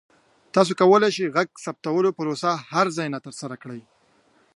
تاسو کولی شئ د غږ ثبتولو پروسه د هر ځای نه ترسره کړئ.